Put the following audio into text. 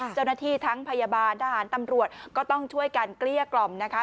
เจ้าหน้าที่ทั้งพยาบาลทหารตำรวจก็ต้องช่วยกันเกลี้ยกล่อมนะคะ